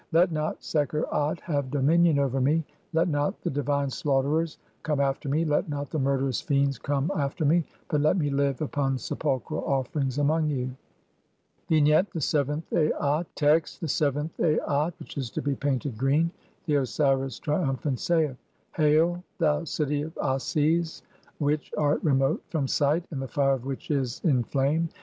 "Let not Sekher At (?) have dominion over me, let not the di "vine slaughterers come after me, let not the murderous fiends "come (6) after me, but let me live upon sepulchral offerings "among you." =0 VII. Vignette : The seventh Aat Text: (1) The seventh Aat [which is to be painted] green. The Osiris Nu, triumphant, saith :— (2) "Hail, thou city of Ases, which art remote from sight, and "the fire of which is in flame.